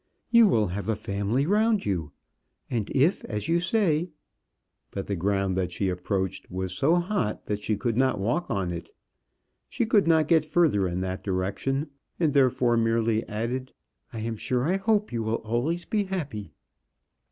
"You will have a family round you; and if, as you say" but the ground that she approached was so hot that she could not walk on it. She could not get further in that direction, and therefore merely added: "I am sure I hope you will always be happy."